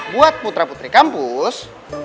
buat putra putri kampus